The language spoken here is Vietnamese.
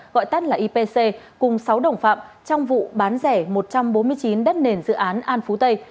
gọi tắt là ipc cùng sáu đồng phạm trong vụ bán rẻ một trăm bốn mươi chín đất nền dự án an phú tây